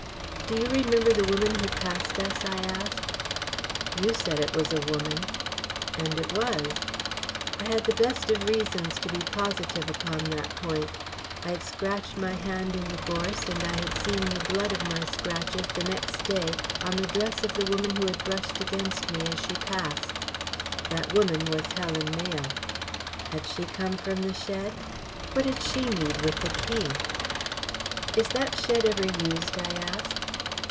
"Do you remember the woman who passed us?" I asked. "You said it was a woman." "And it was." I had the best of reasons to be positive upon that point. I had scratched my hand in the gorse and I had seen the blood of my scratches the next day on the dress of the woman who had brushed against me as she passed. That woman was Helen Mayle. Had she come from the shed? What did she need with the key? "Is that shed ever used?" I asked.